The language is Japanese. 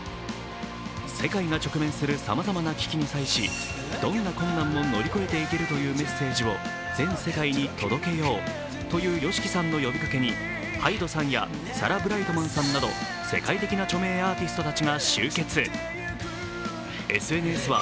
世界が直面するさまざまな危機に際し、どんな困難も乗り越えていけるというメッセージを全世界に届けようというＹＯＳＨＩＫＩさん呼びかけにＨＹＤＥさんやサラ・ブライトマンさんなど世界的な著名アーティストたちが集結。